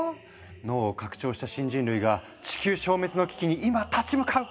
脳を拡張した新人類が地球消滅の危機に今立ち向かう！